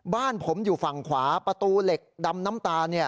บ้านผมอยู่ฝั่งขวาประตูเหล็กดำน้ำตาล